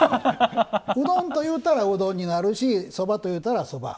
うどんというたらうどんになるしそばというたら、そば。